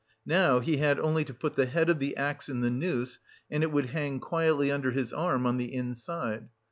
Now he had only to put the head of the axe in the noose, and it would hang quietly under his arm on the inside.